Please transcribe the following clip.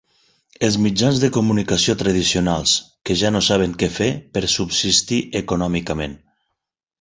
Els mitjans de comunicació tradicionals, que ja no saben què fer per subsistir econòmicament.